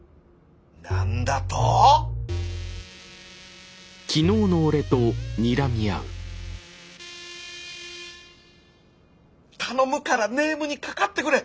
なんだと⁉頼むからネームにかかってくれ！